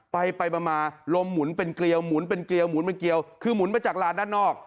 ไปมาลมหมุนเป็นเกลียวคือหมุนมาจากรานด้านนอก